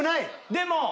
でも。